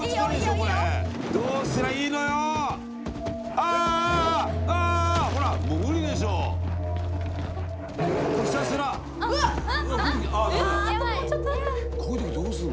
こういう時どうすんの？